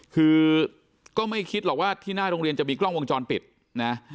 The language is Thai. คือก็ไม่คิดหรอกว่าที่หน้าโรงเรียนจะมีกล้องวงจรปิดนะ